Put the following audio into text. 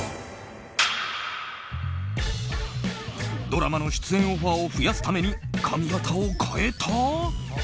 ドラマの出演オファーを増やすために髪形を変えた？